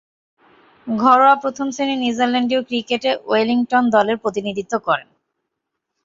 ঘরোয়া প্রথম-শ্রেণীর নিউজিল্যান্ডীয় ক্রিকেটে ওয়েলিংটন দলের প্রতিনিধিত্ব করেন।